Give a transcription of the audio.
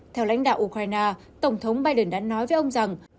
theo lãnh đạo ukraine tổng thống biden đã nói với ông rằng